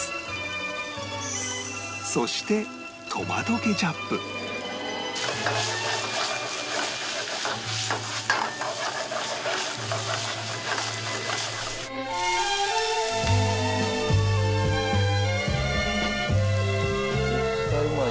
そして絶対うまい。